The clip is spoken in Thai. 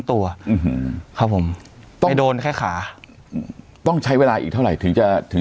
ตัวอืมครับผมต้องไปโดนแค่ขาต้องใช้เวลาอีกเท่าไหร่ถึงจะถึง